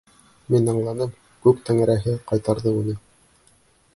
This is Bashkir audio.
Мин аңланым: күк Тәңреһе ҡайтарҙы уны.